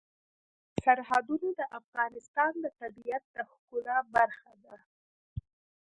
سرحدونه د افغانستان د طبیعت د ښکلا برخه ده.